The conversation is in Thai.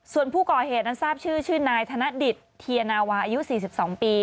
ส่วนผู้ก่อเหตุนั้นทราบชื่อชื่อนายธนดิตเทียนาวาอายุ๔๒ปี